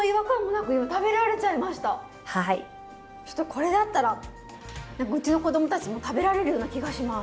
これだったら何かうちの子供たちも食べられるような気がします。